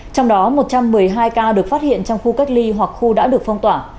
trong đó một trăm một mươi hai ca được phát hiện trong khu cách ly hoặc khu đã được phong tỏa